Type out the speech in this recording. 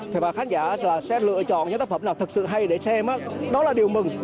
thì bà khán giả sẽ lựa chọn những tác phẩm nào thật sự hay để xem đó là điều mừng